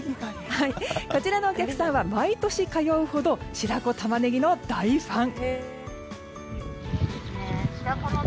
こちらのお客さんは毎年通うほど白子タマネギの大ファン。